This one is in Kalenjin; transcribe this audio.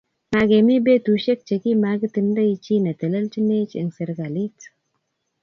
Makemi betusiek chekimaketindoi chi ne telechinech eng serikalit